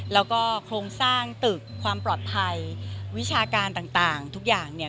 แล้วก็โครงสร้างตึกความปลอดภัยวิชาการต่างทุกอย่างเนี่ย